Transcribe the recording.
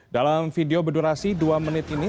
dalam video berdurasi dua menit ini